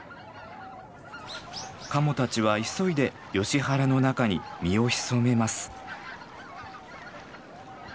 カモたちは急いでヨシ原の中に身を潜めます。